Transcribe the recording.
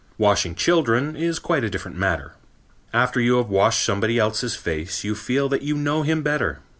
Washing children is quite a different matter. After you have washed somebody else's face you feel that you know him better.